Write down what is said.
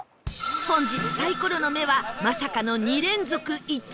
本日サイコロの目はまさかの２連続「１」